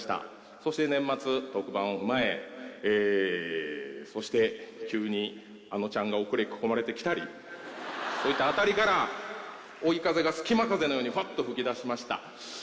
そして年末、特番を踏まえ、そして急にあのちゃんが送り込まれてきたり、そういった辺りから、追い風が隙間風のようにふわっと吹き出しました。